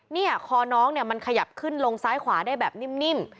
เนี่ยคอน้องเนี่ยมันขยับขึ้นลงซ้ายขวาได้แบบนิ่ม